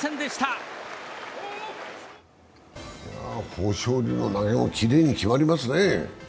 豊昇龍の投げもきれいに決まりますね。